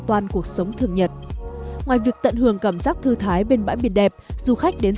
toàn cuộc sống thường nhật ngoài việc tận hưởng cảm giác thư thái bên bãi biển đẹp du khách đến